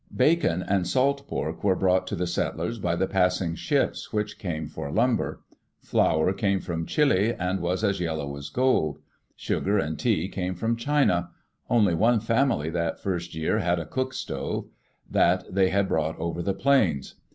Bacon and salt pork were brought to the settlers by the passing ships, which came for lumber. Flour came from Chile and was as yellow as gold. Sugar and tea came from China. Only one family that first year had a cook stove ; that they had brought over the plains.